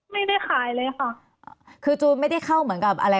ไม่ได้ขายเลยค่ะคือจูนไม่ได้เข้าเหมือนกับอะไร